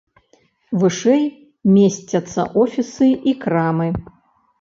Вышэй месцяцца офісы і крамы.